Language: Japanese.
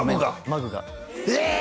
マグがえ！